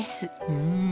うん！